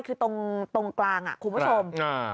คือตรงกลางอ่ะคุณผู้ชม